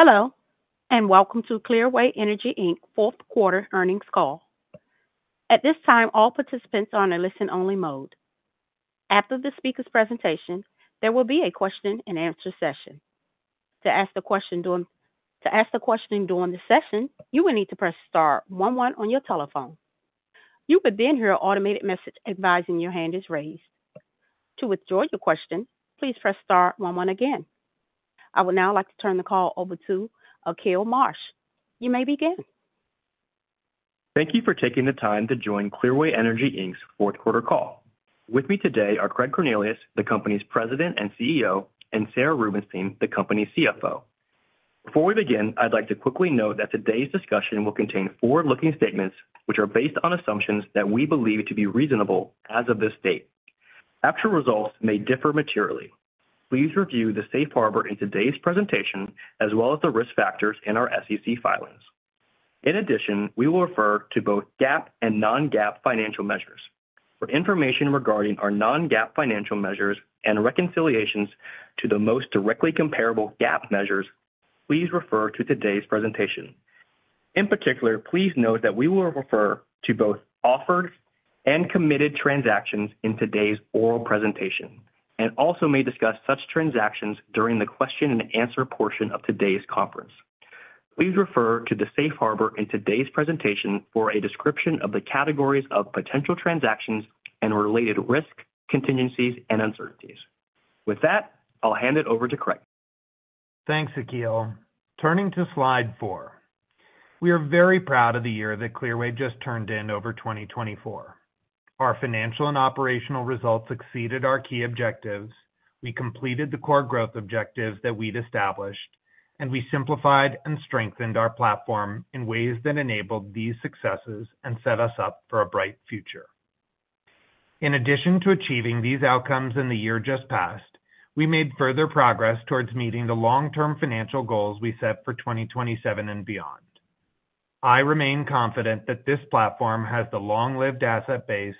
Hello, and welcome to Clearway Energy Inc Fourth Quarter Earnings Call. At this time, all participants are on a listen-only mode. After the speaker's presentation, there will be a question-and-answer session. To ask the question during the session, you will need to press star one one on your telephone. You will then hear an automated message advising your hand is raised. To withdraw your question, please press star one one again. I would now like to turn the call over to Akil Marsh. You may begin. Thank you for taking the time to join Clearway Energy Inc's Fourth Quarter Call. With me today are Craig Cornelius, the company's President and CEO, and Sarah Rubenstein, the company's CFO. Before we begin, I'd like to quickly note that today's discussion will contain forward-looking statements which are based on assumptions that we believe to be reasonable as of this date. Actual results may differ materially. Please review the safe harbor in today's presentation as well as the risk factors in our SEC filings. In addition, we will refer to both GAAP and non-GAAP financial measures. For information regarding our non-GAAP financial measures and reconciliations to the most directly comparable GAAP measures, please refer to today's presentation. In particular, please note that we will refer to both offered and committed transactions in today's oral presentation, and also may discuss such transactions during the question-and-answer portion of today's conference. Please refer to the safe harbor in today's presentation for a description of the categories of potential transactions and related risk contingencies and uncertainties. With that, I'll hand it over to Craig. Thanks, Akil. Turning to slide four, we are very proud of the year that Clearway just turned in over 2024. Our financial and operational results exceeded our key objectives. We completed the core growth objectives that we'd established, and we simplified and strengthened our platform in ways that enabled these successes and set us up for a bright future. In addition to achieving these outcomes in the year just passed, we made further progress towards meeting the long-term financial goals we set for 2027 and beyond. I remain confident that this platform has the long-lived asset base,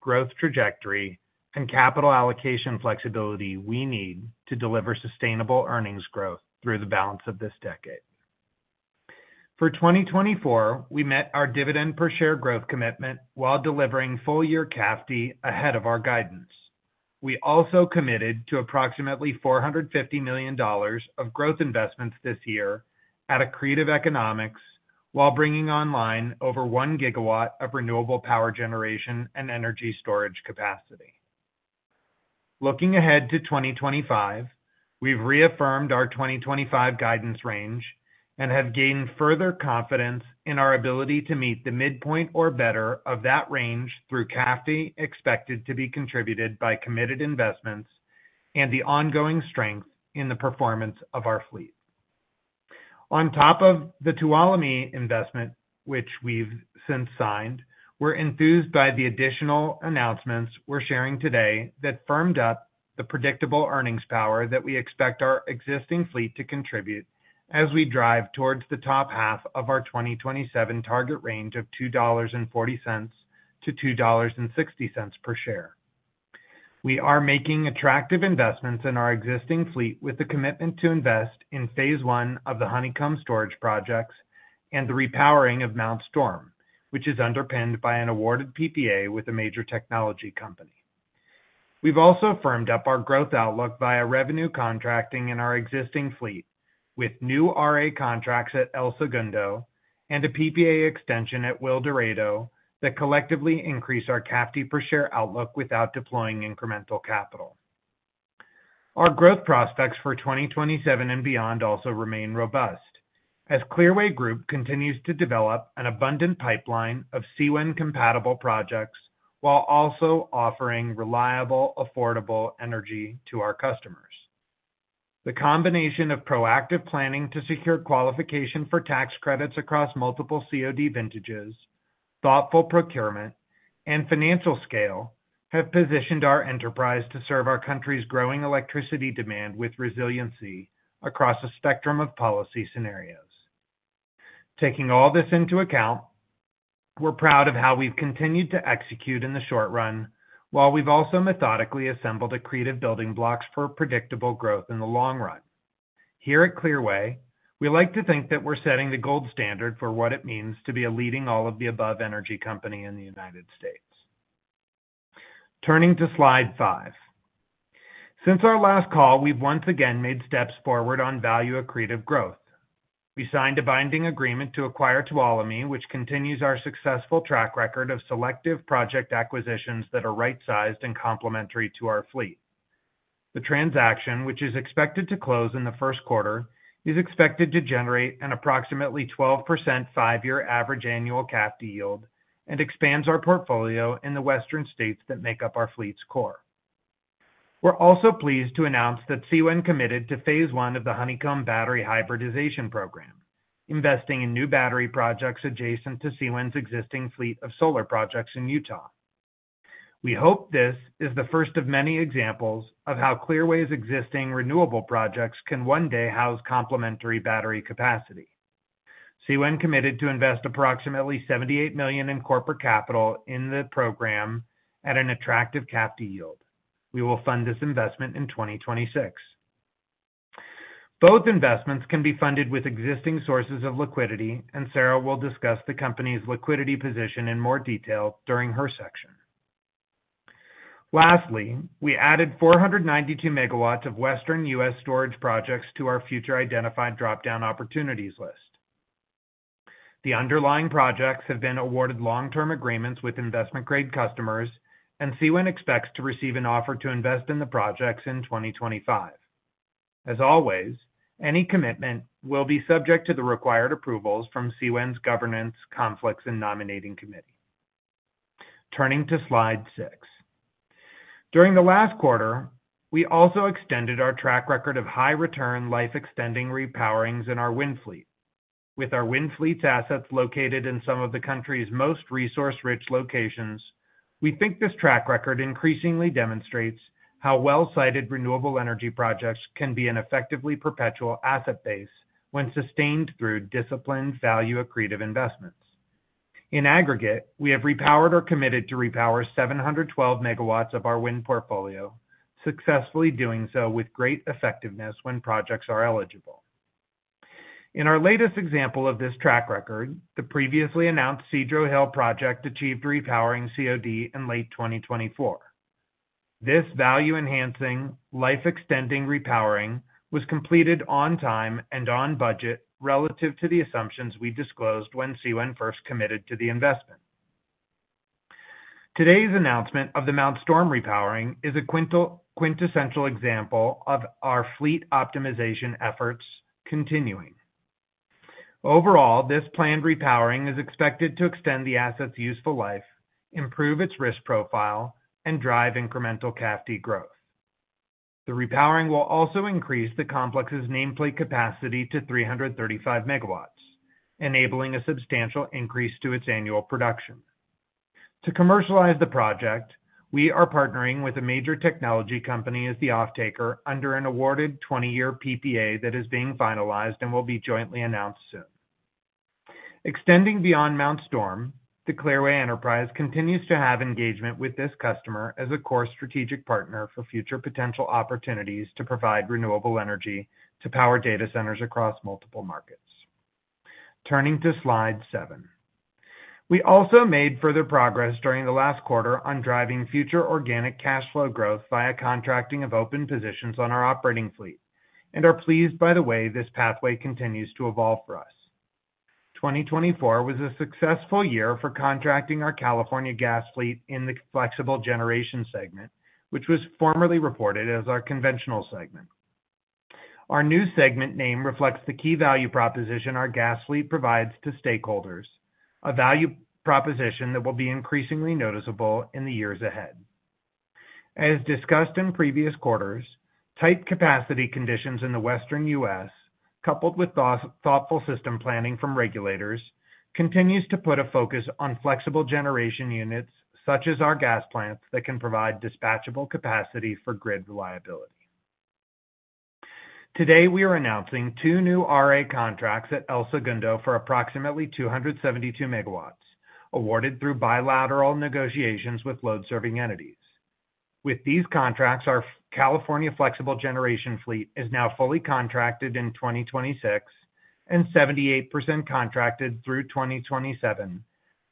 growth trajectory, and capital allocation flexibility we need to deliver sustainable earnings growth through the balance of this decade. For 2024, we met our dividend per share growth commitment while delivering full-year CAFD ahead of our guidance. We also committed to approximately $450 million of growth investments this year at accretive economics while bringing online over one GW of renewable power generation and energy storage capacity. Looking ahead to 2025, we've reaffirmed our 2025 guidance range and have gained further confidence in our ability to meet the midpoint or better of that range through CAFD expected to be contributed by committed investments and the ongoing strength in the performance of our fleet. On top of the Tuolumne investment, which we've since signed, we're enthused by the additional announcements we're sharing today that firmed up the predictable earnings power that we expect our existing fleet to contribute as we drive towards the top half of our 2027 target range of $2.40-$2.60 per share. We are making attractive investments in our existing fleet with the commitment to invest in phase one of the Honeycomb storage projects and the repowering of Mount Storm, which is underpinned by an awarded PPA with a major technology company. We've also firmed up our growth outlook via revenue contracting in our existing fleet with new RA contracts at El Segundo and a PPA extension at Wildorado that collectively increase our CAFD per share outlook without deploying incremental capital. Our growth prospects for 2027 and beyond also remain robust as Clearway Group continues to develop an abundant pipeline of CWEN-compatible projects while also offering reliable, affordable energy to our customers. The combination of proactive planning to secure qualification for tax credits across multiple COD vintages, thoughtful procurement, and financial scale have positioned our enterprise to serve our country's growing electricity demand with resiliency across a spectrum of policy scenarios. Taking all this into account, we're proud of how we've continued to execute in the short run while we've also methodically assembled accretive building blocks for predictable growth in the long run. Here at Clearway, we like to think that we're setting the gold standard for what it means to be a leading all-of-the-above energy company in the United States. Turning to Slide 5, since our last call, we've once again made steps forward on value accretive growth. We signed a binding agreement to acquire Tuolumne, which continues our successful track record of selective project acquisitions that are right-sized and complementary to our fleet. The transaction, which is expected to close in the first quarter, is expected to generate an approximately 12% five-year average annual CAFD yield and expands our portfolio in the western states that make up our fleet's core. We're also pleased to announce that CWEN's committed to phase one of the Honeycomb battery hybridization program, investing in new battery projects adjacent to CWEN's existing fleet of solar projects in Utah. We hope this is the first of many examples of how Clearway's existing renewable projects can one day house complementary battery capacity. CWEN committed to invest approximately $78 million in corporate capital in the program at an attractive CAFD yield. We will fund this investment in 2026. Both investments can be funded with existing sources of liquidity, and Sarah will discuss the company's liquidity position in more detail during her section. Lastly, we added 492 MW of western U.S. storage projects to our future identified dropdown opportunities list. The underlying projects have been awarded long-term agreements with investment-grade customers, and CWEN expects to receive an offer to invest in the projects in 2025. As always, any commitment will be subject to the required approvals from CWEN's Governance, Conflicts, and Nominating Committee. Turning to slide six, during the last quarter, we also extended our track record of high-return life-extending repowerings in our wind fleet. With our wind fleet's assets located in some of the country's most resource-rich locations, we think this track record increasingly demonstrates how well-sited renewable energy projects can be an effectively perpetual asset base when sustained through disciplined value accretive investments. In aggregate, we have repowered or committed to repower 712 MW of our wind portfolio, successfully doing so with great effectiveness when projects are eligible. In our latest example of this track record, the previously announced Cedro Hill project achieved repowering COD in late 2024. This value-enhancing life-extending repowering was completed on time and on budget relative to the assumptions we disclosed when CWEN first committed to the investment. Today's announcement of the Mount Storm repowering is a quintessential example of our fleet optimization efforts continuing. Overall, this planned repowering is expected to extend the asset's useful life, improve its risk profile, and drive incremental CAFD growth. The repowering will also increase the complex's nameplate capacity to 335 MW, enabling a substantial increase to its annual production. To commercialize the project, we are partnering with a major technology company as the offtaker under an awarded 20-year PPA that is being finalized and will be jointly announced soon. Extending beyond Mount Storm, the Clearway Enterprise continues to have engagement with this customer as a core strategic partner for future potential opportunities to provide renewable energy to power data centers across multiple markets. Turning to slide seven, we also made further progress during the last quarter on driving future organic cash flow growth via contracting of open positions on our operating fleet and are pleased by the way this pathway continues to evolve for us. 2024 was a successful year for contracting our California gas fleet in the flexible generation segment, which was formerly reported as our conventional segment. Our new segment name reflects the key value proposition our gas fleet provides to stakeholders, a value proposition that will be increasingly noticeable in the years ahead. As discussed in previous quarters, tight capacity conditions in the Western U.S., coupled with thoughtful system planning from regulators, continue to put a focus on flexible generation units such as our gas plants that can provide dispatchable capacity for grid reliability. Today, we are announcing two new RA contracts at El Segundo for approximately 272 MW awarded through bilateral negotiations with load-serving entities. With these contracts, our California flexible generation fleet is now fully contracted in 2026 and 78% contracted through 2027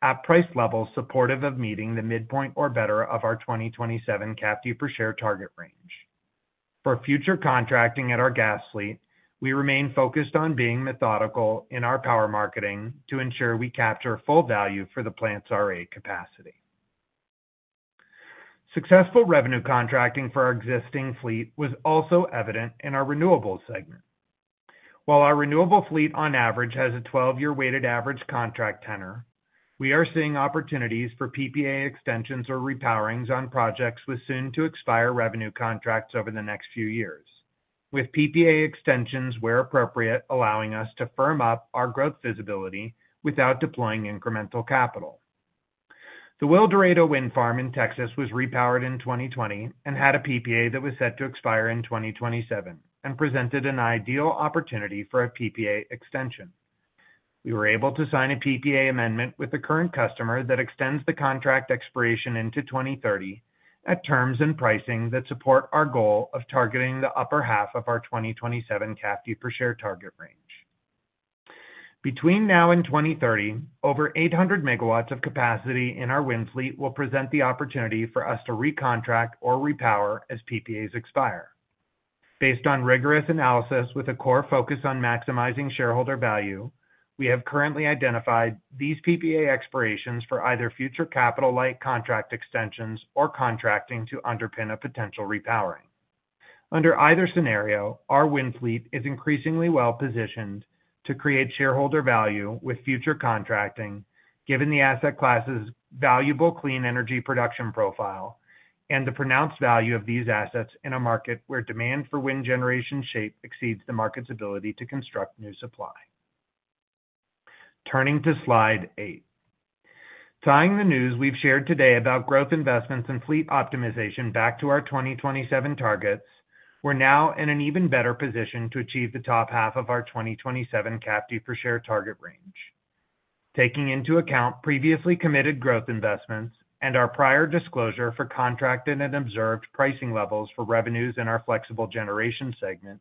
at price levels supportive of meeting the midpoint or better of our 2027 CAFD per share target range. For future contracting at our gas fleet, we remain focused on being methodical in our power marketing to ensure we capture full value for the plant's RA capacity. Successful revenue contracting for our existing fleet was also evident in our renewables segment. While our renewable fleet on average has a 12-year weighted average contract tenor, we are seeing opportunities for PPA extensions or repowerings on projects with soon-to-expire revenue contracts over the next few years, with PPA extensions where appropriate allowing us to firm up our growth visibility without deploying incremental capital. The Wildorado wind farm in Texas was repowered in 2020 and had a PPA that was set to expire in 2027 and presented an ideal opportunity for a PPA extension. We were able to sign a PPA amendment with the current customer that extends the contract expiration into 2030 at terms and pricing that support our goal of targeting the upper half of our 2027 CAFD per share target range. Between now and 2030, over 800 MW of capacity in our wind fleet will present the opportunity for us to recontract or repower as PPAs expire. Based on rigorous analysis with a core focus on maximizing shareholder value, we have currently identified these PPA expirations for either future capital-like contract extensions or contracting to underpin a potential repowering. Under either scenario, our wind fleet is increasingly well-positioned to create shareholder value with future contracting given the asset class's valuable clean energy production profile and the pronounced value of these assets in a market where demand for wind generation shape exceeds the market's ability to construct new supply. Turning to slide eight, tying the news we've shared today about growth investments and fleet optimization back to our 2027 targets, we're now in an even better position to achieve the top half of our 2027 CAFD per share target range. Taking into account previously committed growth investments and our prior disclosure for contracted and observed pricing levels for revenues in our flexible generation segment,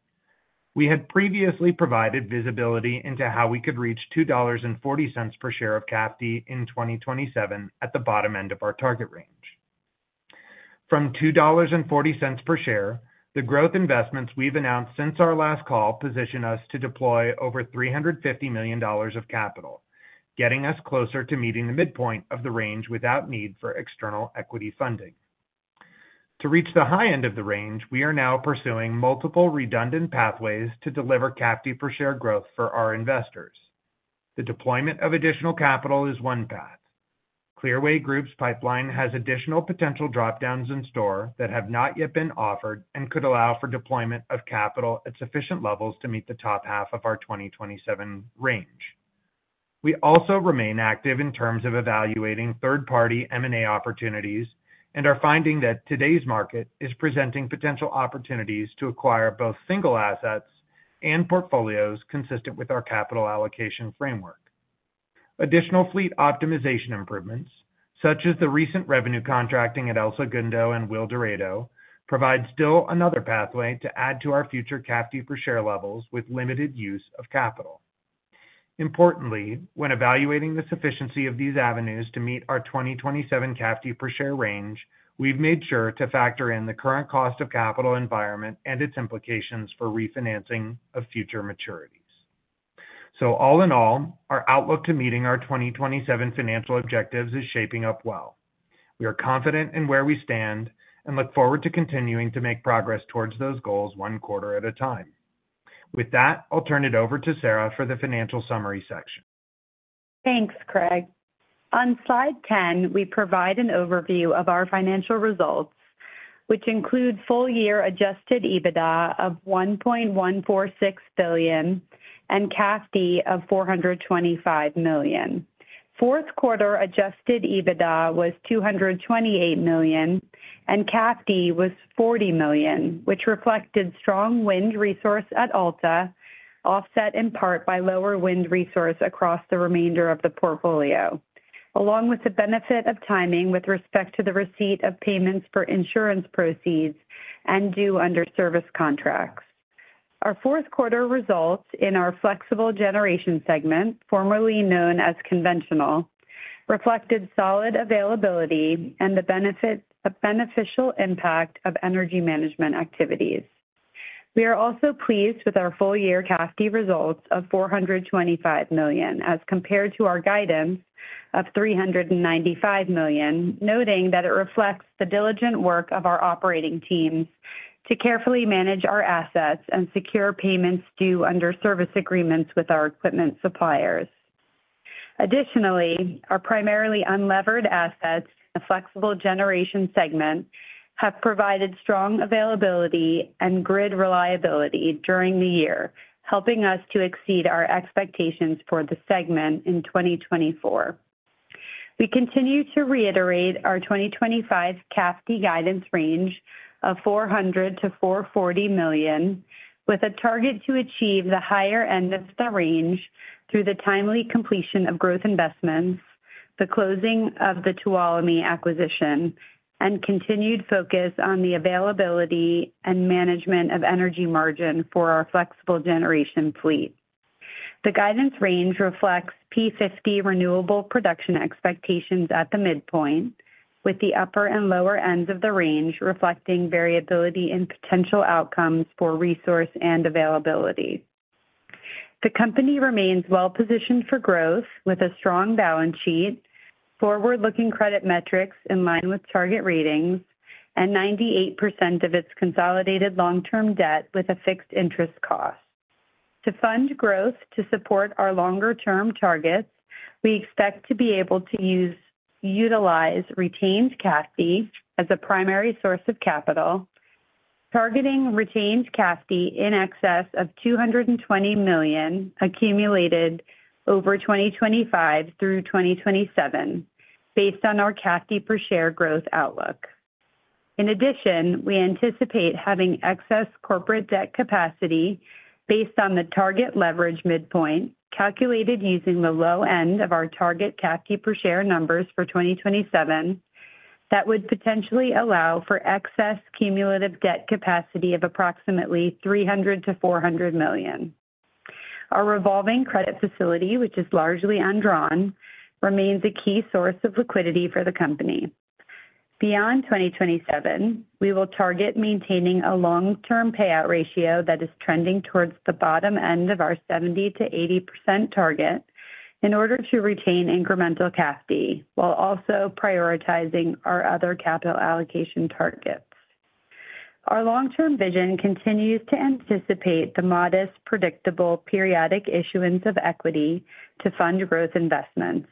we had previously provided visibility into how we could reach $2.40 per share of CAFD in 2027 at the bottom end of our target range. From $2.40 per share, the growth investments we've announced since our last call position us to deploy over $350 million of capital, getting us closer to meeting the midpoint of the range without need for external equity funding. To reach the high end of the range, we are now pursuing multiple redundant pathways to deliver CAFD per share growth for our investors. The deployment of additional capital is one path. Clearway Group's pipeline has additional potential dropdowns in store that have not yet been offered and could allow for deployment of capital at sufficient levels to meet the top half of our 2027 range. We also remain active in terms of evaluating third-party M&A opportunities and are finding that today's market is presenting potential opportunities to acquire both single assets and portfolios consistent with our capital allocation framework. Additional fleet optimization improvements, such as the recent revenue contracting at El Segundo and Wildorado, provide still another pathway to add to our future CAFD per share levels with limited use of capital. Importantly, when evaluating the sufficiency of these avenues to meet our 2027 CAFD per share range, we've made sure to factor in the current cost of capital environment and its implications for refinancing of future maturities. So all in all, our outlook to meeting our 2027 financial objectives is shaping up well. We are confident in where we stand and look forward to continuing to make progress towards those goals one quarter at a time. With that, I'll turn it over to Sarah for the financial summary section. Thanks, Craig. On slide 10, we provide an overview of our financial results, which include full-year Adjusted EBITDA of $1.146 billion and CAFD of $425 million. Fourth quarter adjusted EBITDA was $228 million and CAFD was $40 million, which reflected strong wind resource at Alta, offset in part by lower wind resource across the remainder of the portfolio, along with the benefit of timing with respect to the receipt of payments for insurance proceeds and due under service contracts. Our fourth quarter results in our flexible generation segment, formerly known as conventional, reflected solid availability and the benefit of beneficial impact of energy management activities. We are also pleased with our full-year CAFD results of $425 million as compared to our guidance of $395 million, noting that it reflects the diligent work of our operating teams to carefully manage our assets and secure payments due under service agreements with our equipment suppliers. Additionally, our primarily unlevered assets in the flexible generation segment have provided strong availability and grid reliability during the year, helping us to exceed our expectations for the segment in 2024. We continue to reiterate our 2025 CAFD guidance range of $400-$440 million, with a target to achieve the higher end of the range through the timely completion of growth investments, the closing of the Tuolumne acquisition, and continued focus on the availability and management of energy margin for our flexible generation fleet. The guidance range reflects P50 renewable production expectations at the midpoint, with the upper and lower ends of the range reflecting variability in potential outcomes for resource and availability. The company remains well-positioned for growth with a strong balance sheet, forward-looking credit metrics in line with target ratings, and 98% of its consolidated long-term debt with a fixed interest cost. To fund growth to support our longer-term targets, we expect to be able to utilize retained CAFD as a primary source of capital, targeting retained CAFD in excess of $220 million accumulated over 2025 through 2027 based on our CAFD per share growth outlook. In addition, we anticipate having excess corporate debt capacity based on the target leverage midpoint calculated using the low end of our target CAFD per share numbers for 2027 that would potentially allow for excess cumulative debt capacity of approximately $300-$400 million. Our revolving credit facility, which is largely undrawn, remains a key source of liquidity for the company. Beyond 2027, we will target maintaining a long-term payout ratio that is trending towards the bottom end of our 70%-80% target in order to retain incremental CAFD while also prioritizing our other capital allocation targets. Our long-term vision continues to anticipate the modest, predictable periodic issuance of equity to fund growth investments.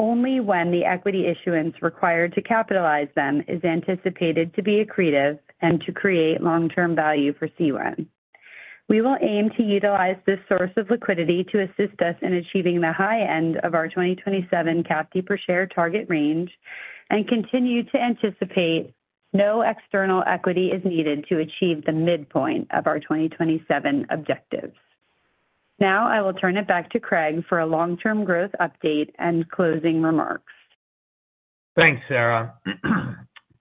Only when the equity issuance required to capitalize them is anticipated to be accretive and to create long-term value for CWEN, we will aim to utilize this source of liquidity to assist us in achieving the high end of our 2027 CAFD per share target range and continue to anticipate no external equity is needed to achieve the midpoint of our 2027 objectives. Now, I will turn it back to Craig for a long-term growth update and closing remarks. Thanks, Sarah.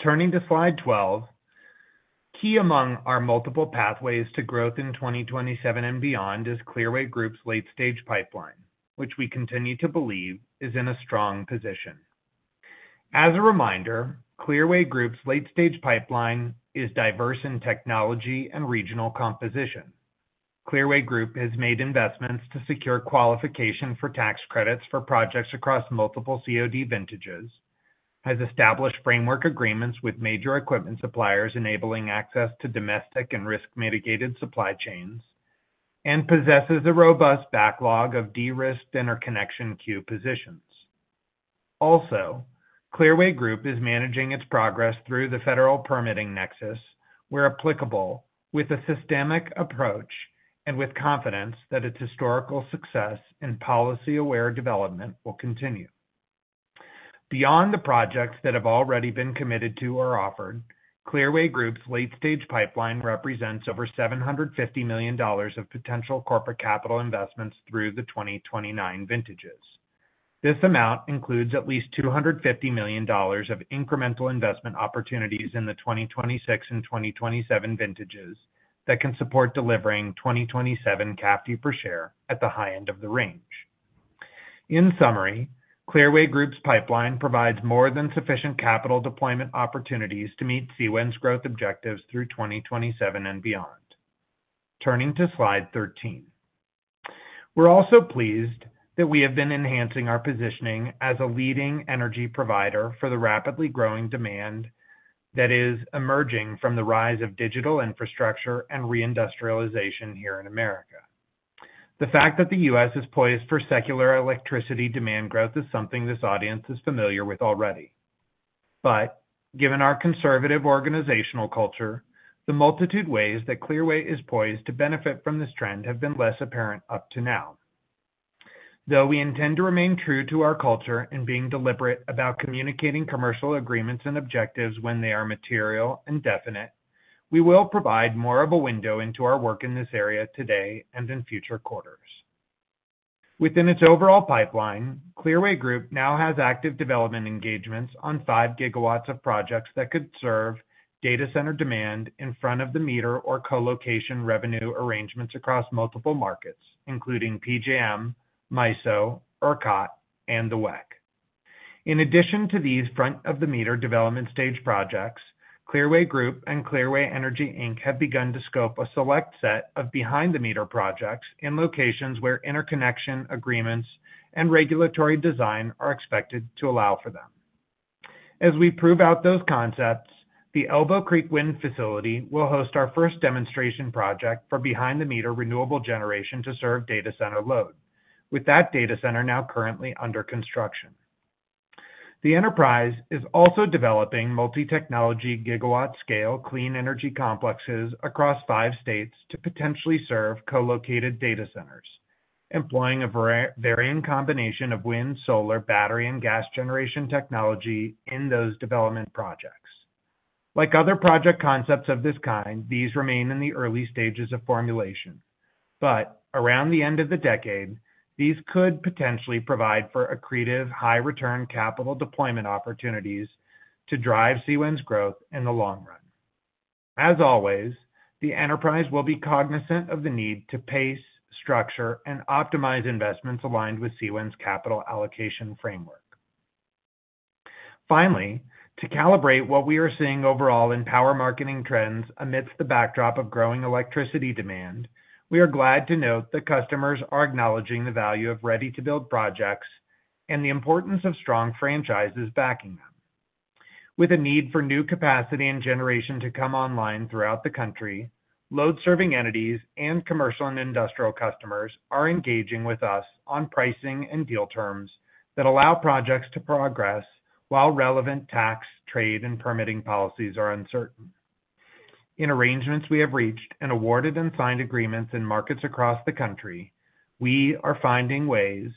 Turning to slide 12, key among our multiple pathways to growth in 2027 and beyond is Clearway Group's late-stage pipeline, which we continue to believe is in a strong position. As a reminder, Clearway Group's late-stage pipeline is diverse in technology and regional composition. Clearway Group has made investments to secure qualification for tax credits for projects across multiple COD vintages, has established framework agreements with major equipment suppliers enabling access to domestic and risk-mitigated supply chains, and possesses a robust backlog of de-risked interconnection queue positions. Also, Clearway Group is managing its progress through the federal permitting nexus where applicable with a systemic approach and with confidence that its historical success and policy-aware development will continue. Beyond the projects that have already been committed to or offered, Clearway Group's late-stage pipeline represents over $750 million of potential corporate capital investments through the 2029 vintages. This amount includes at least $250 million of incremental investment opportunities in the 2026 and 2027 vintages that can support delivering 2027 CAFD per share at the high end of the range. In summary, Clearway Group's pipeline provides more than sufficient capital deployment opportunities to meet CWEN's growth objectives through 2027 and beyond. Turning to slide 13, we're also pleased that we have been enhancing our positioning as a leading energy provider for the rapidly growing demand that is emerging from the rise of digital infrastructure and reindustrialization here in America. The fact that the U.S. is poised for secular electricity demand growth is something this audience is familiar with already. But given our conservative organizational culture, the multitude of ways that Clearway is poised to benefit from this trend have been less apparent up to now. Though we intend to remain true to our culture in being deliberate about communicating commercial agreements and objectives when they are material and definite, we will provide more of a window into our work in this area today and in future quarters. Within its overall pipeline, Clearway Group now has active development engagements on five GW of projects that could serve data center demand in front-of-the-meter or co-location revenue arrangements across multiple markets, including PJM, MISO, ERCOT, and the WECC. In addition to these front-of-the-meter development stage projects, Clearway Group and Clearway Energy Inc. have begun to scope a select set of behind-the-meter projects in locations where interconnection agreements and regulatory design are expected to allow for them. As we prove out those concepts, the Elbow Creek Wind Facility will host our first demonstration project for behind-the-meter renewable generation to serve data center load, with that data center now currently under construction. The enterprise is also developing multi-technology gigawatt-scale clean energy complexes across five states to potentially serve co-located data centers, employing a varying combination of wind, solar, battery, and gas generation technology in those development projects. Like other project concepts of this kind, these remain in the early stages of formulation. But around the end of the decade, these could potentially provide for accretive high-return capital deployment opportunities to drive CWEN's growth in the long run. As always, the enterprise will be cognizant of the need to pace, structure, and optimize investments aligned with CWEN's capital allocation framework. Finally, to calibrate what we are seeing overall in power marketing trends amidst the backdrop of growing electricity demand, we are glad to note that customers are acknowledging the value of ready-to-build projects and the importance of strong franchises backing them. With a need for new capacity and generation to come online throughout the country, load-serving entities and commercial and industrial customers are engaging with us on pricing and deal terms that allow projects to progress while relevant tax, trade, and permitting policies are uncertain. In arrangements we have reached and awarded and signed agreements in markets across the country, we are finding ways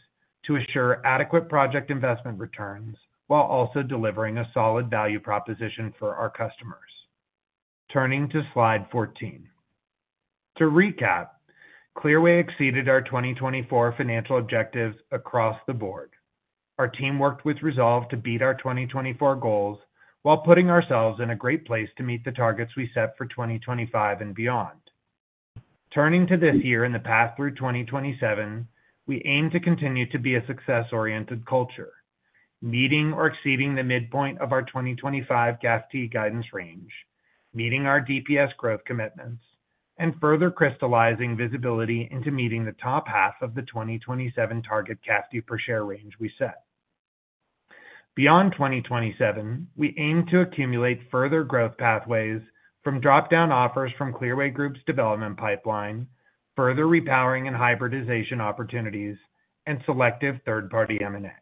to assure adequate project investment returns while also delivering a solid value proposition for our customers. Turning to slide 14, to recap, Clearway exceeded our 2024 financial objectives across the board. Our team worked with resolve to beat our 2024 goals while putting ourselves in a great place to meet the targets we set for 2025 and beyond. Turning to this year and the path through 2027, we aim to continue to be a success-oriented culture, meeting or exceeding the midpoint of our 2025 CAFD guidance range, meeting our DPS growth commitments, and further crystallizing visibility into meeting the top half of the 2027 target CAFD per share range we set. Beyond 2027, we aim to accumulate further growth pathways from drop-down offers from Clearway Group's development pipeline, further repowering and hybridization opportunities, and selective third-party M&A.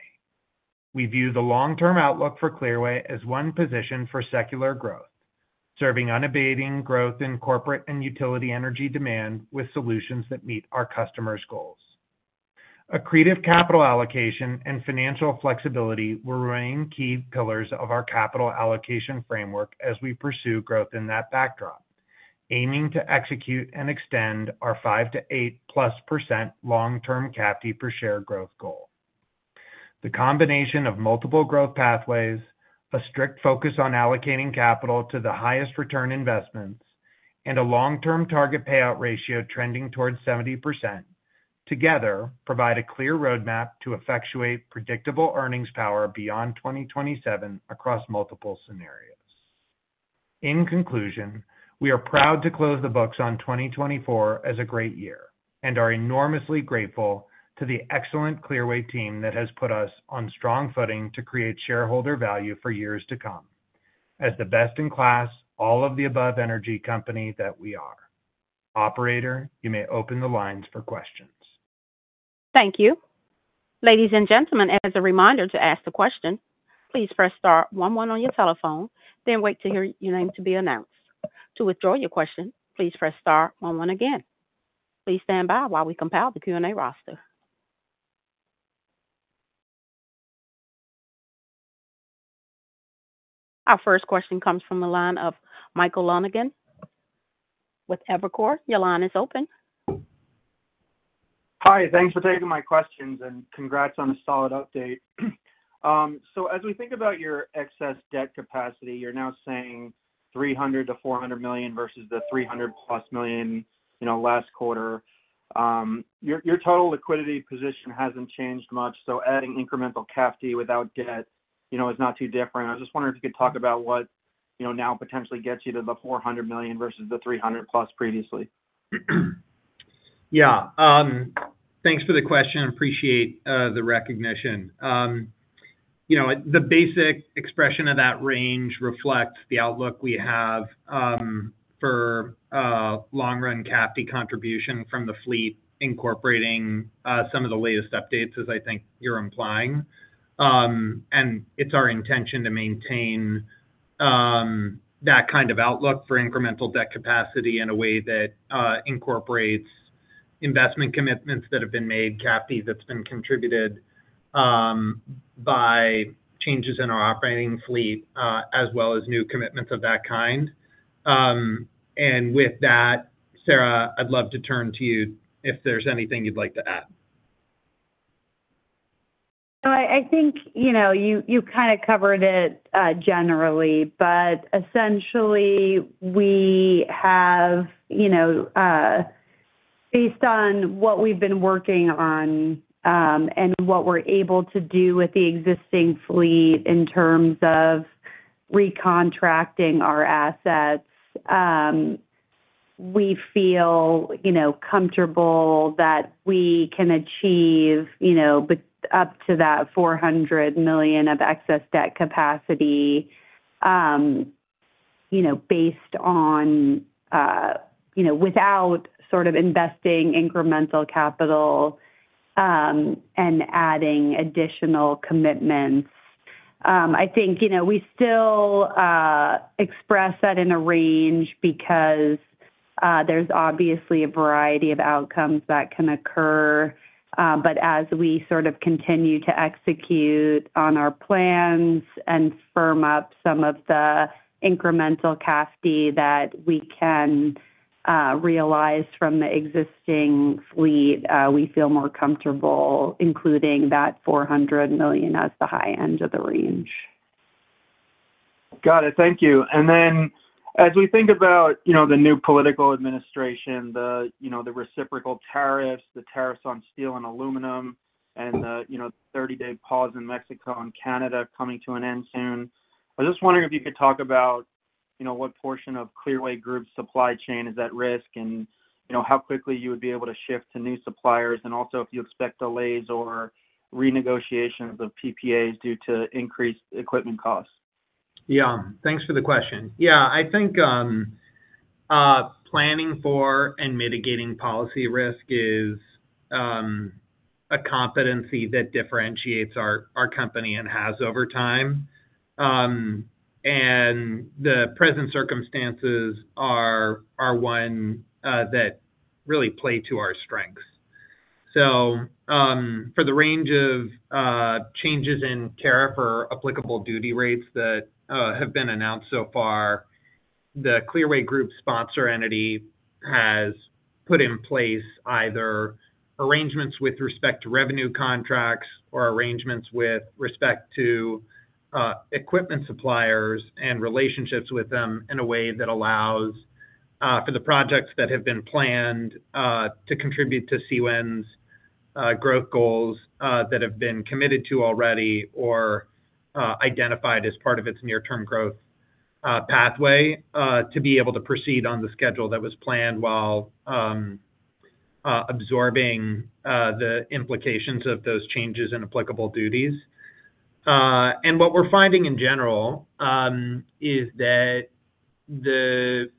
We view the long-term outlook for Clearway as one position for secular growth, serving unabating growth in corporate and utility energy demand with solutions that meet our customers' goals. Accretive capital allocation and financial flexibility will remain key pillars of our capital allocation framework as we pursue growth in that backdrop, aiming to execute and extend our 5%-8% plus long-term CAFD per share growth goal. The combination of multiple growth pathways, a strict focus on allocating capital to the highest return investments, and a long-term target payout ratio trending towards 70% together provide a clear roadmap to effectuate predictable earnings power beyond 2027 across multiple scenarios. In conclusion, we are proud to close the books on 2024 as a great year and are enormously grateful to the excellent Clearway team that has put us on strong footing to create shareholder value for years to come. As the best in class, all of the above energy company that we are. Operator, you may open the lines for questions. Thank you. Ladies and gentlemen, as a reminder to ask the question, please press star one one on your telephone, then wait to hear your name to be announced. To withdraw your question, please press star one one again. Please stand by while we compile the Q&A roster. Our first question comes from the line of Michael Lonegan with Evercore. Your line is open. Hi. Thanks for taking my questions and congrats on a solid update. As we think about your excess debt capacity, you're now saying $300 million-$400 million versus the $300 million+ last quarter. Your total liquidity position hasn't changed much, so adding incremental CAFD without debt is not too different. I was just wondering if you could talk about what now potentially gets you to the $400 million versus the $300 million+ previously. Yeah. Thanks for the question. Appreciate the recognition. The basic expression of that range reflects the outlook we have for long-run CAFD contribution from the fleet, incorporating some of the latest updates, as I think you're implying. It is our intention to maintain that kind of outlook for incremental debt capacity in a way that incorporates investment commitments that have been made, CAFD that has been contributed by changes in our operating fleet, as well as new commitments of that kind. And with that, Sarah, I'd love to turn to you if there's anything you'd like to add. So I think you kind of covered it generally, but essentially, we have, based on what we've been working on and what we're able to do with the existing fleet in terms of recontracting our assets, we feel comfortable that we can achieve up to that $400 million of excess debt capacity based on without sort of investing incremental capital and adding additional commitments. I think we still express that in a range because there's obviously a variety of outcomes that can occur. But as we sort of continue to execute on our plans and firm up some of the incremental CAFD that we can realize from the existing fleet, we feel more comfortable including that $400 million as the high end of the range. Got it. Thank you. And then as we think about the new political administration, the reciprocal tariffs, the tariffs on steel and aluminum, and the 30-day pause in Mexico and Canada coming to an end soon, I was just wondering if you could talk about what portion of Clearway Energy Group's supply chain is at risk and how quickly you would be able to shift to new suppliers and also if you expect delays or renegotiations of PPAs due to increased equipment costs. Yeah. Thanks for the question. Yeah. I think planning for and mitigating policy risk is a competency that differentiates our company and has over time. And the present circumstances are one that really play to our strengths. For the range of changes in tariff or applicable duty rates that have been announced so far, the Clearway Group sponsor entity has put in place either arrangements with respect to revenue contracts or arrangements with respect to equipment suppliers and relationships with them in a way that allows for the projects that have been planned to contribute to CWEN's growth goals that have been committed to already or identified as part of its near-term growth pathway to be able to proceed on the schedule that was planned while absorbing the implications of those changes in applicable duties. And what we're finding in general is that the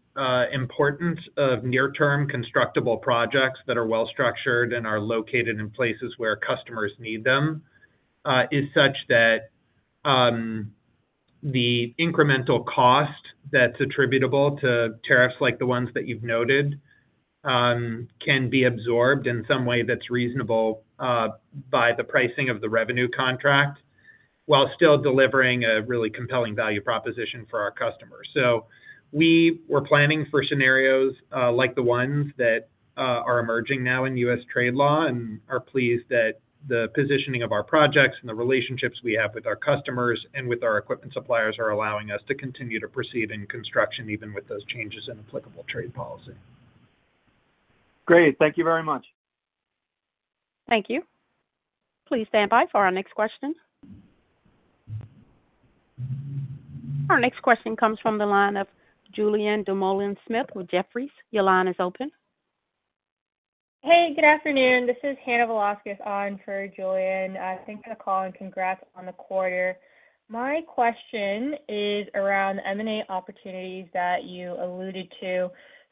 importance of near-term constructible projects that are well-structured and are located in places where customers need them is such that the incremental cost that's attributable to tariffs like the ones that you've noted can be absorbed in some way that's reasonable by the pricing of the revenue contract while still delivering a really compelling value proposition for our customers. So we were planning for scenarios like the ones that are emerging now in U.S. trade law and are pleased that the positioning of our projects and the relationships we have with our customers and with our equipment suppliers are allowing us to continue to proceed in construction even with those changes in applicable trade policy. Great. Thank you very much. Thank you. Please stand by for our next question. Our next question comes from the line of Julien Dumoulin-Smith with Jefferies. Your line is open. Hey, good afternoon. This is Hannah Velásquez on for Julien. Thanks for the call and congrats on the quarter. My question is around M&A opportunities that you alluded to.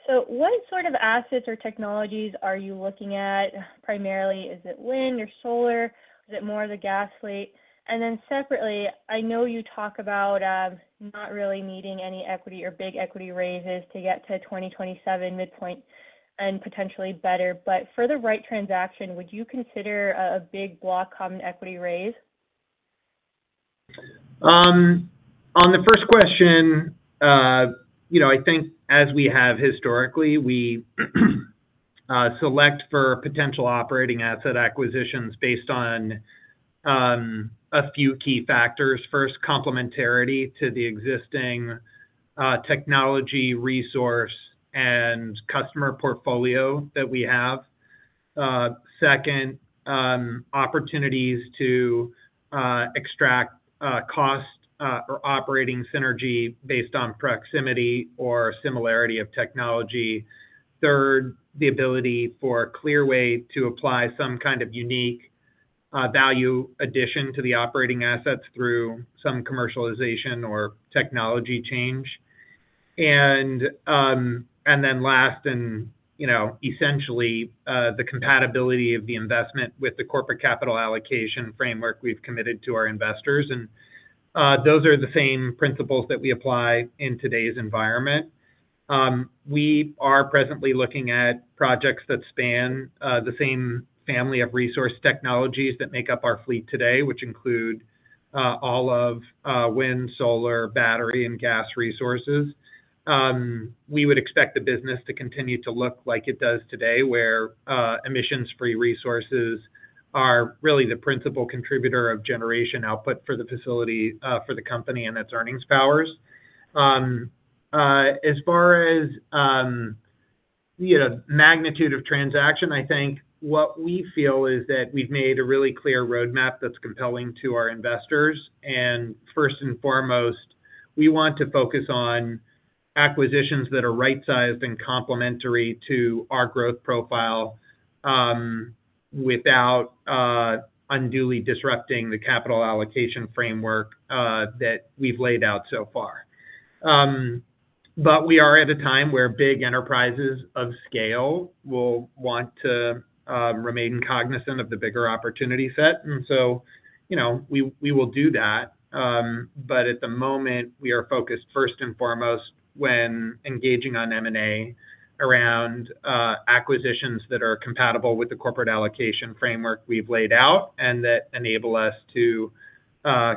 So what sort of assets or technologies are you looking at primarily? Is it wind or solar? Is it more of the gas fleet? And then separately, I know you talk about not really needing any equity or big equity raises to get to 2027 midpoint and potentially better. But for the right transaction, would you consider a big block common equity raise? On the first question, I think as we have historically, we select for potential operating asset acquisitions based on a few key factors. First, complementarity to the existing technology resource and customer portfolio that we have. Second, opportunities to extract cost or operating synergy based on proximity or similarity of technology. Third, the ability for Clearway to apply some kind of unique value addition to the operating assets through some commercialization or technology change. And then last, and essentially, the compatibility of the investment with the corporate capital allocation framework we've committed to our investors. And those are the same principles that we apply in today's environment. We are presently looking at projects that span the same family of resource technologies that make up our fleet today, which include all of wind, solar, battery, and gas resources. We would expect the business to continue to look like it does today, where emissions-free resources are really the principal contributor of generation output for the facility for the company and its earnings powers. As far as magnitude of transaction, I think what we feel is that we've made a really clear roadmap that's compelling to our investors. And first and foremost, we want to focus on acquisitions that are right-sized and complementary to our growth profile without unduly disrupting the capital allocation framework that we've laid out so far. But we are at a time where big enterprises of scale will want to remain cognizant of the bigger opportunity set. And so we will do that. But at the moment, we are focused first and foremost when engaging on M&A around acquisitions that are compatible with the corporate allocation framework we've laid out and that enable us to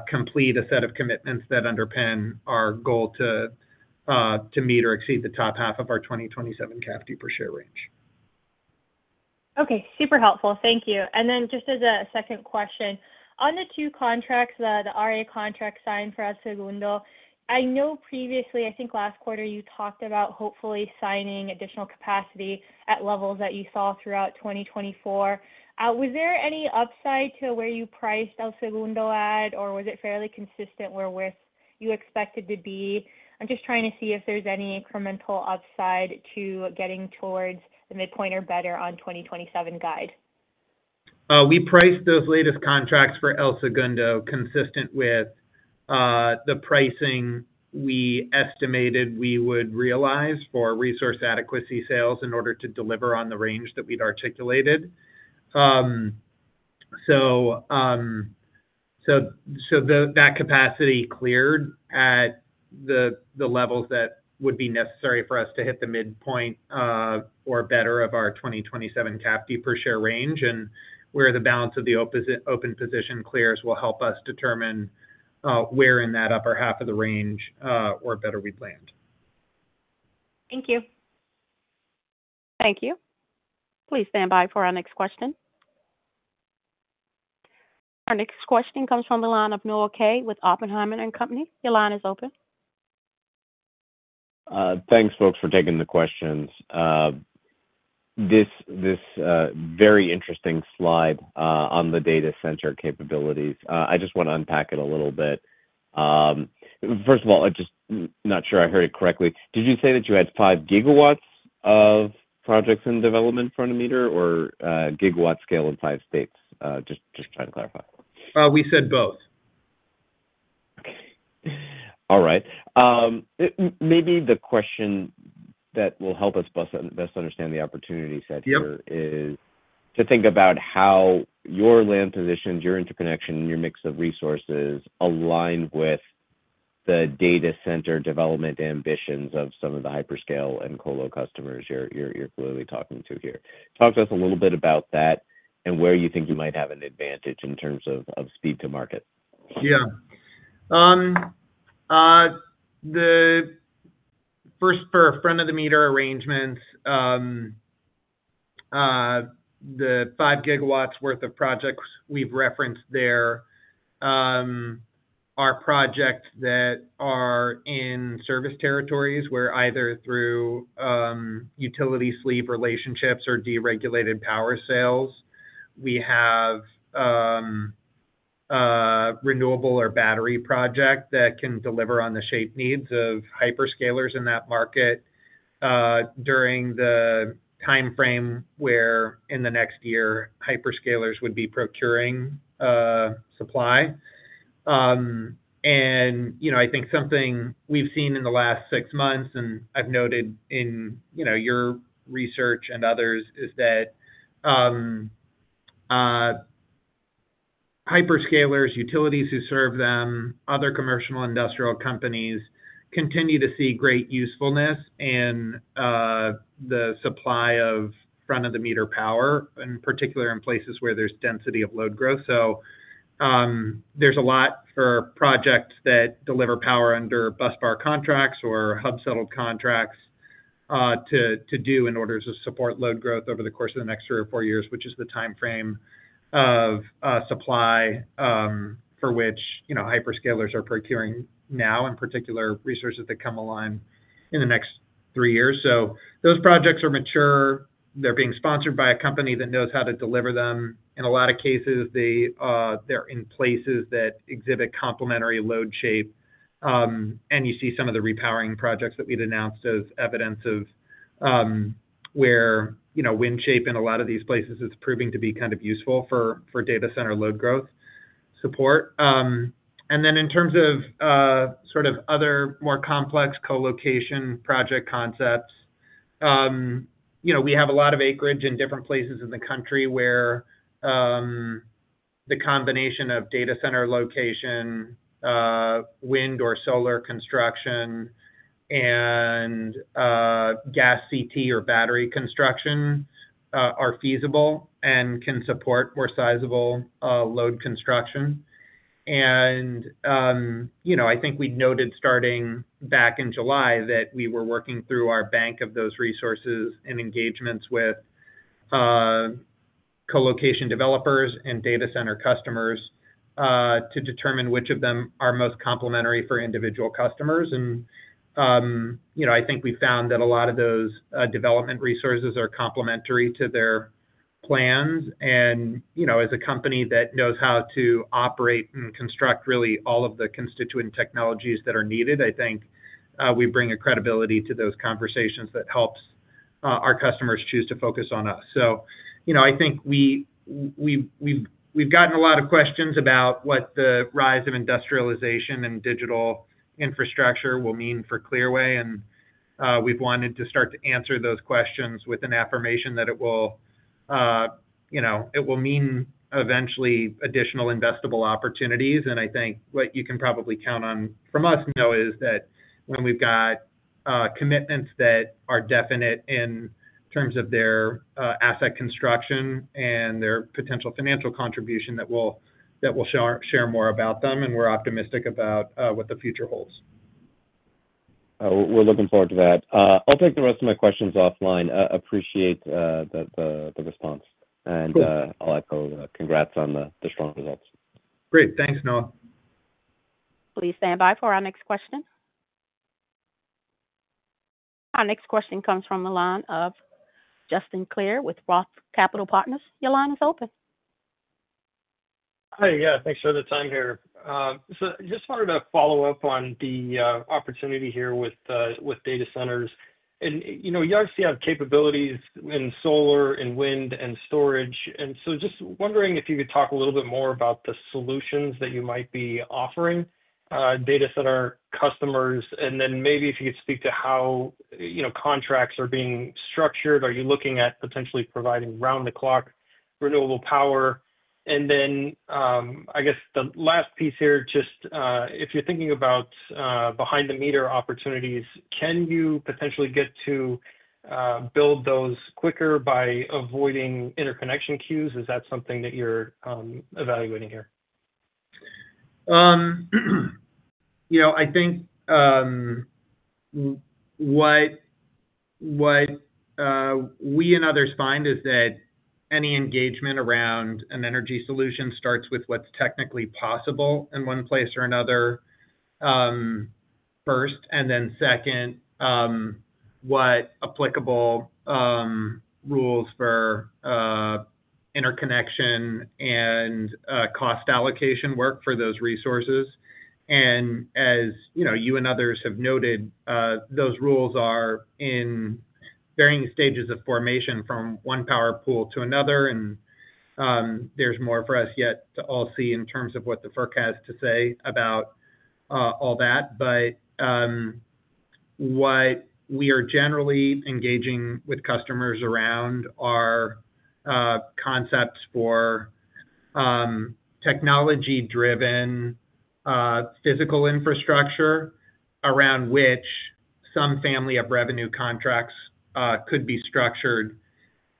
complete a set of commitments that underpin our goal to meet or exceed the top half of our 2027 CAFD per share range. Okay. Super helpful. Thank you. And then just as a second question, on the two contracts that RA contract signed for El Segundo, I know previously, I think last quarter, you talked about hopefully signing additional capacity at levels that you saw throughout 2024. Was there any upside to where you priced El Segundo at, or was it fairly consistent where you expected to be? I'm just trying to see if there's any incremental upside to getting towards the midpoint or better on 2027 guide. We priced those latest contracts for El Segundo consistent with the pricing we estimated we would realize for resource adequacy sales in order to deliver on the range that we'd articulated. So that capacity cleared at the levels that would be necessary for us to hit the midpoint or better of our 2027 CAFD per share range. And where the balance of the open position clears will help us determine where in that upper half of the range or better we planned. Thank you. Thank you. Please stand by for our next question. Our next question comes from the line of Noah Kaye with Oppenheimer & Co. Your line is open. Thanks, folks, for taking the questions. This very interesting slide on the data center capabilities, I just want to unpack it a little bit. First of all, I'm just not sure I heard it correctly. Did you say that you had five GW of projects in development for front-of-the-meter or gigawatt scale in five states? Just trying to clarify. We said both. Okay. All right. Maybe the question that will help us best understand the opportunity set here is to think about how your land positions, your interconnection, and your mix of resources align with the data center development ambitions of some of the hyperscalers and colo customers you're clearly talking to here. Talk to us a little bit about that and where you think you might have an advantage in terms of speed to market. Yeah. First, for a front-of-the-meter arrangement, the five GW worth of projects we've referenced there are projects that are in service territories where either through utility-scale relationships or deregulated power sales, we have renewable or battery projects that can deliver on the shape needs of hyperscalers in that market during the timeframe where in the next year, hyperscalers would be procuring supply. And I think something we've seen in the last six months, and I've noted in your research and others, is that hyperscalers, utilities who serve them, and other commercial industrial companies continue to see great usefulness in the supply of front-of-the-meter power, in particular in places where there's density of load growth. So there's a lot for projects that deliver power under busbar contracts or hub-settled contracts to do in order to support load growth over the course of the next three or four years, which is the timeframe of supply for which hyperscalers are procuring now, and particular resources that come along in the next three years. So those projects are mature. They're being sponsored by a company that knows how to deliver them. In a lot of cases, they're in places that exhibit complementary load shape. You see some of the repowering projects that we'd announced as evidence of where wind shape in a lot of these places is proving to be kind of useful for data center load growth support. In terms of sort of other more complex co-location project concepts, we have a lot of acreage in different places in the country where the combination of data center location, wind or solar construction, and gas CT or battery construction are feasible and can support more sizable load construction. I think we noted starting back in July that we were working through our bank of those resources and engagements with co-location developers and data center customers to determine which of them are most complementary for individual customers. I think we found that a lot of those development resources are complementary to their plans. And as a company that knows how to operate and construct really all of the constituent technologies that are needed, I think we bring a credibility to those conversations that helps our customers choose to focus on us. So I think we've gotten a lot of questions about what the rise of industrialization and digital infrastructure will mean for Clearway. And we've wanted to start to answer those questions with an affirmation that it will mean eventually additional investable opportunities. And I think what you can probably count on from us, Noah, is that when we've got commitments that are definite in terms of their asset construction and their potential financial contribution, that we'll share more about them. And we're optimistic about what the future holds. We're looking forward to that. I'll take the rest of my questions offline. Appreciate the response. And I'll echo congrats on the strong results. Great. Thanks, Noah. Please stand by for our next question. Our next question comes from the line of Justin Clare with Roth Capital Partners. Your line is open. Hi, yeah. Thanks for the time here. So just wanted to follow up on the opportunity here with data centers. And you obviously have capabilities in solar and wind and storage. And so just wondering if you could talk a little bit more about the solutions that you might be offering data center customers. And then maybe if you could speak to how contracts are being structured. Are you looking at potentially providing round-the-clock renewable power? And then I guess the last piece here, just if you're thinking about behind-the-meter opportunities, can you potentially get to build those quicker by avoiding interconnection queues? Is that something that you're evaluating here? I think what we and others find is that any engagement around an energy solution starts with what's technically possible in one place or another first. And then second, what applicable rules for interconnection and cost allocation work for those resources. And as you and others have noted, those rules are in varying stages of formation from one power pool to another. And there's more for us yet to all see in terms of what the forecasts have to say about all that. But what we are generally engaging with customers around are concepts for technology-driven physical infrastructure around which some family of revenue contracts could be structured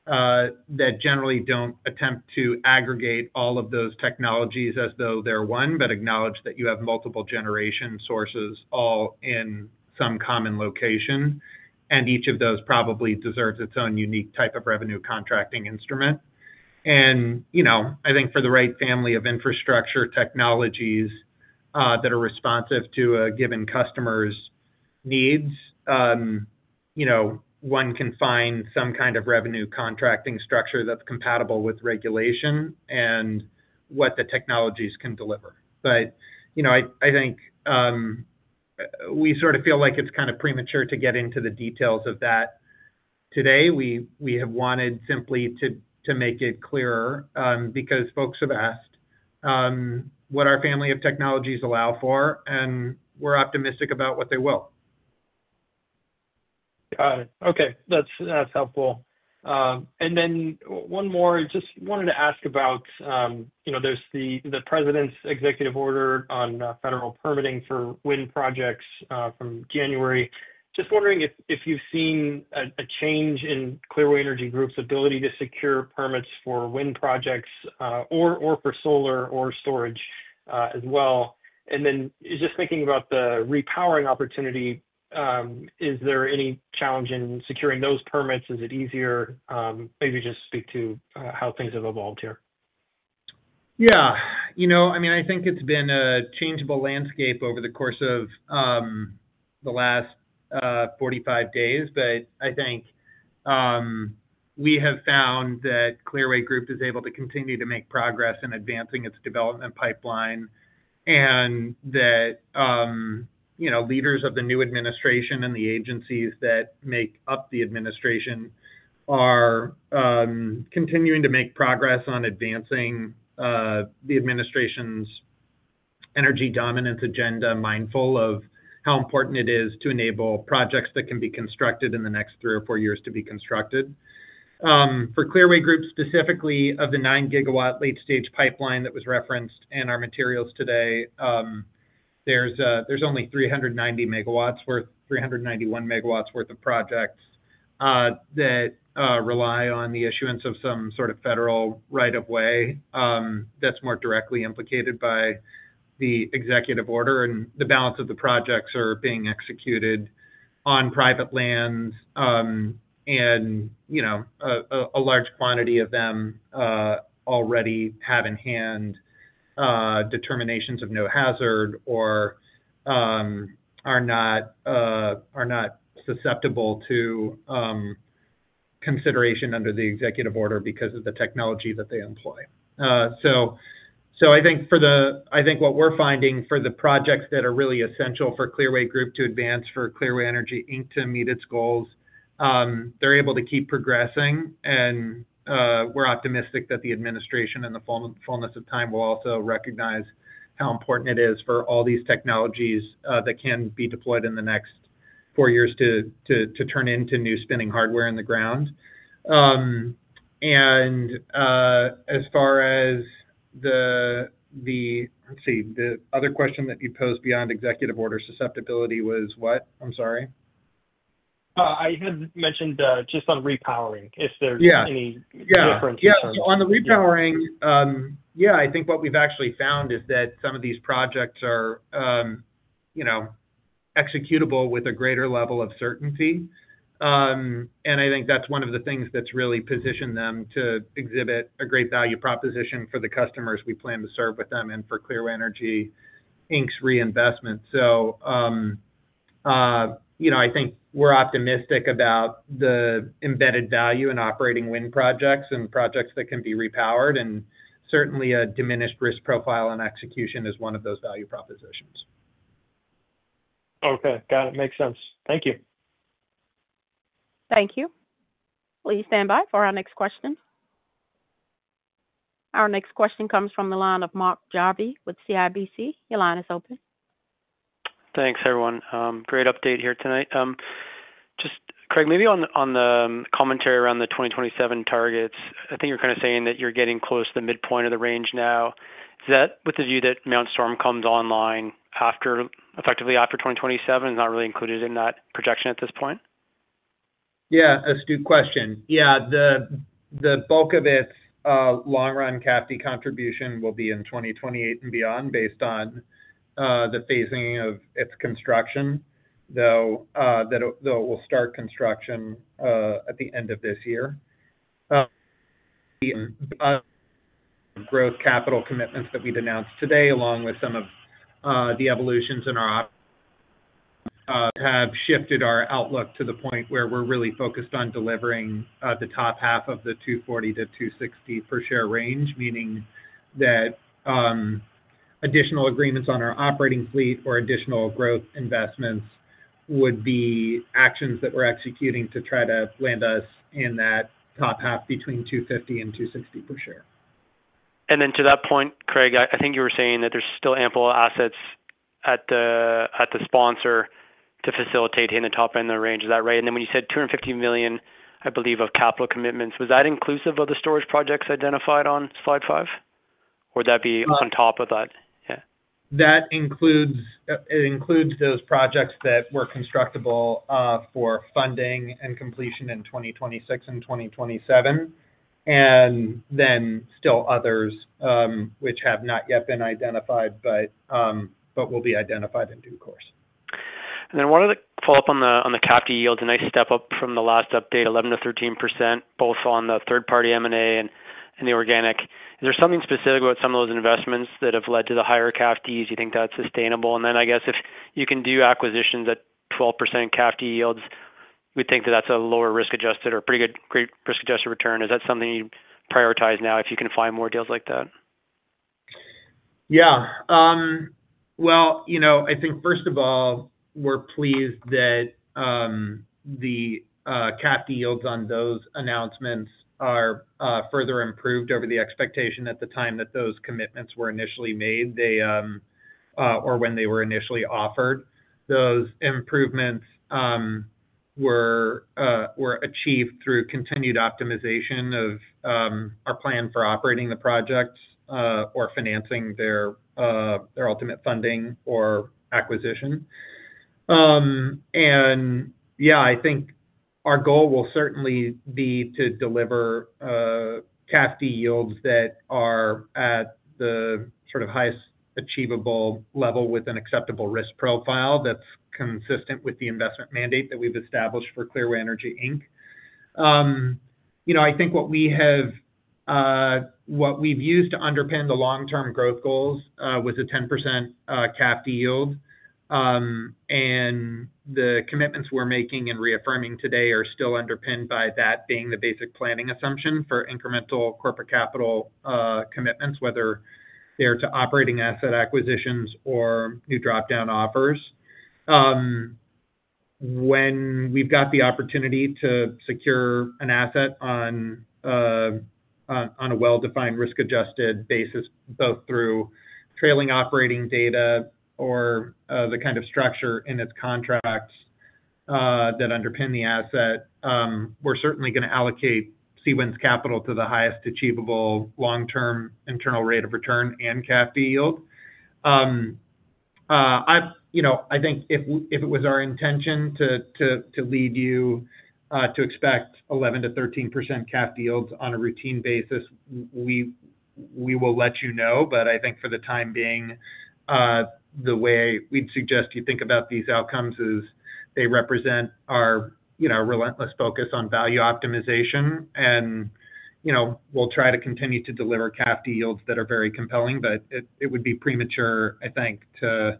that generally don't attempt to aggregate all of those technologies as though they're one, but acknowledge that you have multiple generation sources all in some common location. And each of those probably deserves its own unique type of revenue contracting instrument. I think for the right family of infrastructure technologies that are responsive to a given customer's needs, one can find some kind of revenue contracting structure that's compatible with regulation and what the technologies can deliver. But I think we sort of feel like it's kind of premature to get into the details of that today. We have wanted simply to make it clearer because folks have asked what our family of technologies allow for. And we're optimistic about what they will. Got it. Okay. That's helpful. And then one more. Just wanted to ask about. There's the President's executive order on federal permitting for wind projects from January. Just wondering if you've seen a change in Clearway Energy Group's ability to secure permits for wind projects or for solar or storage as well. And then just thinking about the repowering opportunity, is there any challenge in securing those permits? Is it easier? Maybe just speak to how things have evolved here. Yeah. I mean, I think it's been a changeable landscape over the course of the last 45 days. But I think we have found that Clearway Group is able to continue to make progress in advancing its development pipeline and that leaders of the new administration and the agencies that make up the administration are continuing to make progress on advancing the administration's energy dominance agenda, mindful of how important it is to enable projects that can be constructed in the next three or four years to be constructed. For Clearway Group specifically, of the nine-gigawatt late-stage pipeline that was referenced in our materials today, there's only 391 MW worth of projects that rely on the issuance of some sort of federal right of way that's more directly implicated by the executive order. The balance of the projects are being executed on private lands. A large quantity of them already have in hand determinations of no hazard or are not susceptible to consideration under the executive order because of the technology that they employ. I think what we're finding for the projects that are really essential for Clearway Group to advance for Clearway Energy Inc to meet its goals, they're able to keep progressing. And we're optimistic that the administration in the fullness of time will also recognize how important it is for all these technologies that can be deployed in the next four years to turn into new spinning hardware in the ground. And as far as the, let's see, the other question that you posed beyond executive order susceptibility was what? I'm sorry. I had mentioned just on repowering, if there's any difference. Yeah. Yeah. So on the repowering, yeah, I think what we've actually found is that some of these projects are executable with a greater level of certainty. And I think that's one of the things that's really positioned them to exhibit a great value proposition for the customers we plan to serve with them and for Clearway Energy Inc.'s reinvestment. So I think we're optimistic about the embedded value in operating wind projects and projects that can be repowered. And certainly, a diminished risk profile and execution is one of those value propositions. Okay. Got it. Makes sense. Thank you. Thank you. Please stand by for our next question. Our next question comes from the line of Mark Jarvi with CIBC. Your line is open. Thanks, everyone. Great update here tonight. Just, Craig, maybe on the commentary around the 2027 targets, I think you're kind of saying that you're getting close to the midpoint of the range now. Is that with the view that Mount Storm comes online effectively after 2027? It's not really included in that projection at this point. Yeah. That's a good question. Yeah. The bulk of its long-run CAPI contribution will be in 2028 and beyond based on the phasing of its construction, though it will start construction at the end of this year. The growth capital commitments that we've announced today, along with some of the evolutions in our options, have shifted our outlook to the point where we're really focused on delivering the top half of the 240-260 per share range, meaning that additional agreements on our operating fleet or additional growth investments would be actions that we're executing to try to land us in that top half between 250 and 260 per share. To that point, Craig, I think you were saying that there's still ample assets at the sponsor to facilitate hitting the top end of the range. Is that right? When you said $250 million, I believe, of capital commitments, was that inclusive of the storage projects identified on slide five? Or would that be on top of that? Yeah. That includes those projects that were constructible for funding and completion in 2026 and 2027, and then still others which have not yet been identified but will be identified in due course, And then one other follow-up on the CAFD yields. A nice step up from the last update, 11%-13%, both on the third-party M&A and the organic. Is there something specific about some of those investments that have led to the higher CAFDs? Do you think that's sustainable, and then I guess if you can do acquisitions at 12% CAFD yields, we'd think that that's a lower risk-adjusted or a pretty good risk-adjusted return. Is that something you'd prioritize now if you can find more deals like that? Yeah. I think first of all, we're pleased that the CAFD yields on those announcements are further improved over the expectation at the time that those commitments were initially made or when they were initially offered. Those improvements were achieved through continued optimization of our plan for operating the projects or financing their ultimate funding or acquisition. Yeah, I think our goal will certainly be to deliver CAFD yields that are at the sort of highest achievable level with an acceptable risk profile that's consistent with the investment mandate that we've established for Clearway Energy Inc. I think what we've used to underpin the long-term growth goals was a 10% CAFD yield. The commitments we're making and reaffirming today are still underpinned by that being the basic planning assumption for incremental corporate capital commitments, whether they're to operating asset acquisitions or new dropdown offers. When we've got the opportunity to secure an asset on a well-defined risk-adjusted basis, both through trailing operating data or the kind of structure in its contracts that underpin the asset, we're certainly going to allocate Clearway's capital to the highest achievable long-term internal rate of return and CAFD yield. I think if it was our intention to lead you to expect 11%-13% CAFD yields on a routine basis, we will let you know. But I think for the time being, the way we'd suggest you think about these outcomes is they represent our relentless focus on value optimization. And we'll try to continue to deliver CAFD yields that are very compelling. But it would be premature, I think, to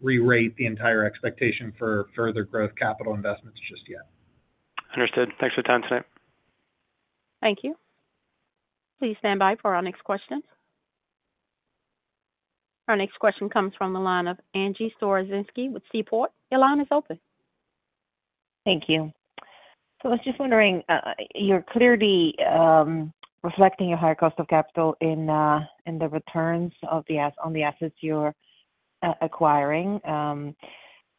re-rate the entire expectation for further growth capital investments just yet. Understood. Thanks for your time tonight. Thank you. Please stand by for our next question. Our next question comes from the line of Angie Storozynski with Seaport. Your line is open. Thank you. So I was just wondering, you're clearly reflecting a higher cost of capital in the returns on the assets you're acquiring.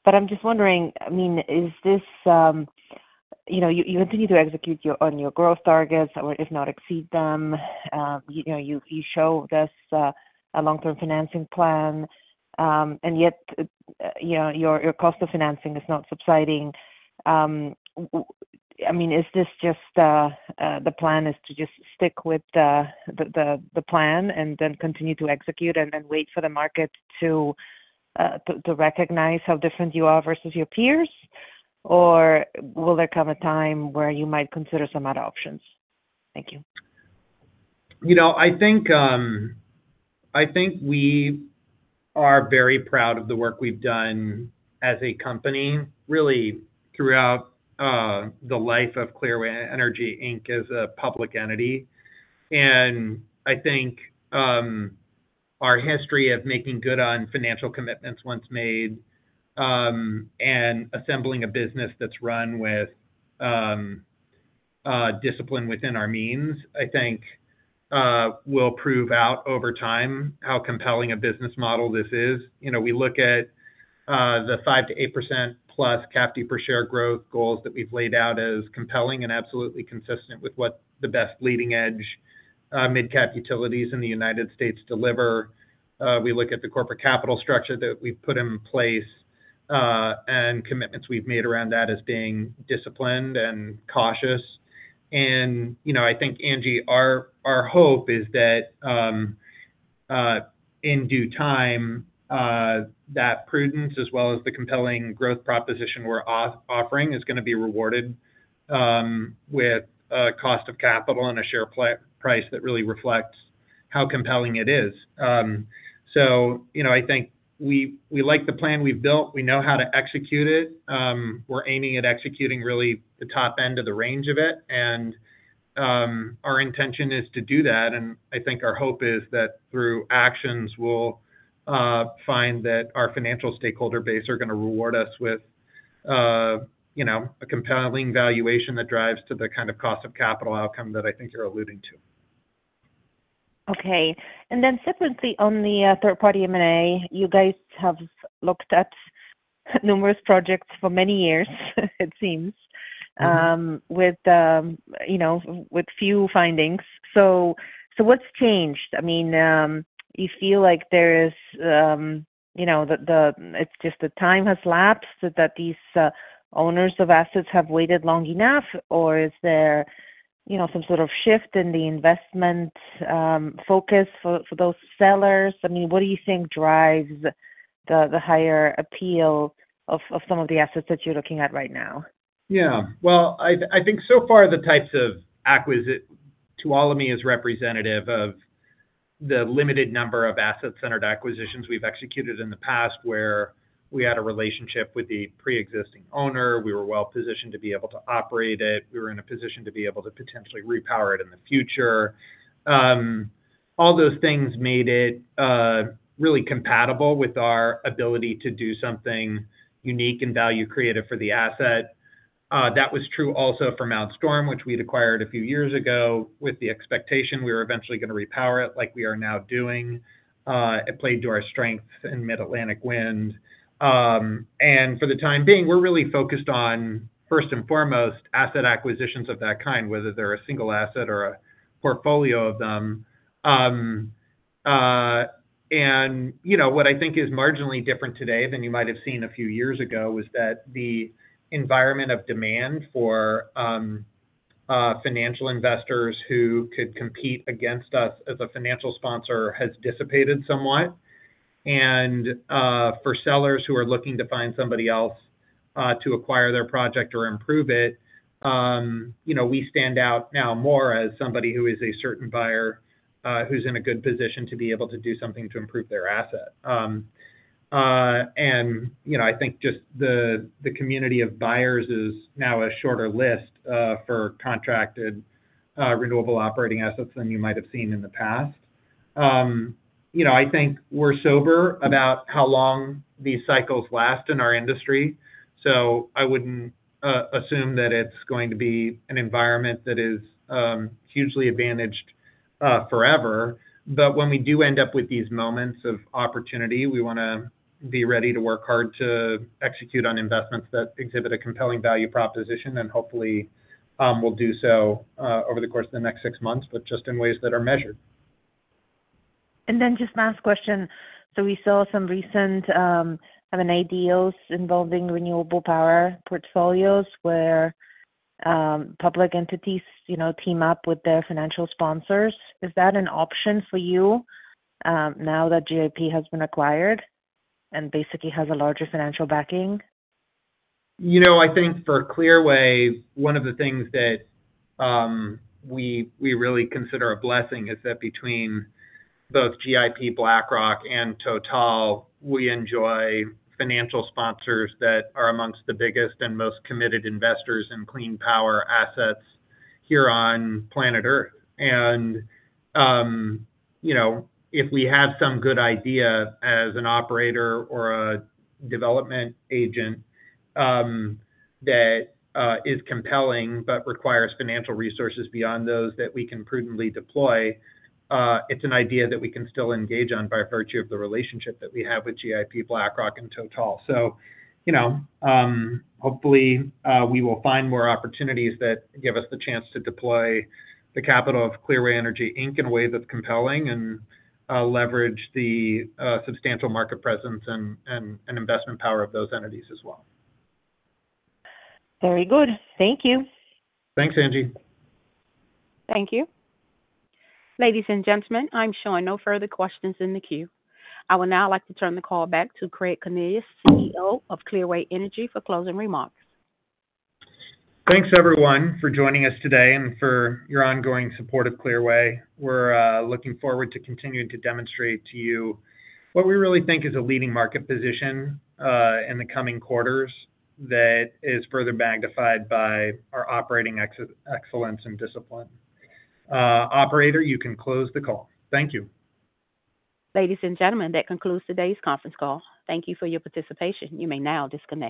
But I'm just wondering, I mean, is this you continue to execute on your growth targets or, if not, exceed them. You show this long-term financing plan. And yet your cost of financing is not subsiding. I mean, is this just the plan is to just stick with the plan and then continue to execute and then wait for the market to recognize how different you are versus your peers? Or will there come a time where you might consider some other options? Thank you. I think we are very proud of the work we've done as a company, really, throughout the life of Clearway Energy Inc as a public entity. And I think our history of making good on financial commitments once made and assembling a business that's run with discipline within our means, I think, will prove out over time how compelling a business model this is. We look at the 5%-8% plus CAFD per share growth goals that we've laid out as compelling and absolutely consistent with what the best leading-edge mid-cap utilities in the United States deliver. We look at the corporate capital structure that we've put in place and commitments we've made around that as being disciplined and cautious. And I think, Angie, our hope is that in due time, that prudence as well as the compelling growth proposition we're offering is going to be rewarded with a cost of capital and a share price that really reflects how compelling it is. So I think we like the plan we've built. We know how to execute it. We're aiming at executing really the top end of the range of it, and our intention is to do that. I think our hope is that through actions, we'll find that our financial stakeholder base are going to reward us with a compelling valuation that drives to the kind of cost of capital outcome that I think you're alluding to. Okay, and then separately on the third-party M&A, you guys have looked at numerous projects for many years, it seems, with few findings. So what's changed? I mean, you feel like there is the it's just the time has lapsed that these owners of assets have waited long enough? Or is there some sort of shift in the investment focus for those sellers? I mean, what do you think drives the higher appeal of some of the assets that you're looking at right now? Yeah. Well, I think so far, the types of acquisition. Tuolumne is representative of the limited number of asset-centered acquisitions we've executed in the past where we had a relationship with the pre-existing owner. We were well-positioned to be able to operate it. We were in a position to be able to potentially repower it in the future. All those things made it really compatible with our ability to do something unique and value-creative for the asset. That was true also for Mount Storm, which we'd acquired a few years ago with the expectation we were eventually going to repower it like we are now doing. It played to our strength in Mid-Atlantic wind. For the time being, we're really focused on, first and foremost, asset acquisitions of that kind, whether they're a single asset or a portfolio of them. What I think is marginally different today than you might have seen a few years ago was that the environment of demand for financial investors who could compete against us as a financial sponsor has dissipated somewhat. For sellers who are looking to find somebody else to acquire their project or improve it, we stand out now more as somebody who is a certain buyer who's in a good position to be able to do something to improve their asset. I think just the community of buyers is now a shorter list for contracted renewable operating assets than you might have seen in the past. I think we're sober about how long these cycles last in our industry. I wouldn't assume that it's going to be an environment that is hugely advantaged forever. But when we do end up with these moments of opportunity, we want to be ready to work hard to execute on investments that exhibit a compelling value proposition. And hopefully, we'll do so over the course of the next six months, but just in ways that are measured. And then just last question. So we saw some recent M&A deals involving renewable power portfolios where public entities team up with their financial sponsors. Is that an option for you now that GIP has been acquired and basically has a larger financial backing? I think for Clearway, one of the things that we really consider a blessing is that between both GIP, BlackRock, and Total, we enjoy financial sponsors that are amongst the biggest and most committed investors in clean power assets here on planet Earth. And if we have some good idea as an operator or a development agent that is compelling but requires financial resources beyond those that we can prudently deploy, it's an idea that we can still engage on by virtue of the relationship that we have with GIP, BlackRock, and Total. So hopefully, we will find more opportunities that give us the chance to deploy the capital of Clearway Energy Inc. in a way that's compelling and leverage the substantial market presence and investment power of those entities as well. Very good. Thank you. Thanks, Angie. Thank you. Ladies and gentlemen, I'm sure no further questions in the queue. I would now like to turn the call back to Craig Cornelius, CEO of Clearway Energy, for closing remarks. Thanks, everyone, for joining us today and for your ongoing support of Clearway. We're looking forward to continuing to demonstrate to you what we really think is a leading market position in the coming quarters that is further magnified by our operating excellence and discipline. Operator, you can close the call. Thank you. Ladies and gentlemen, that concludes today's conference call. Thank you for your participation. You may now disconnect.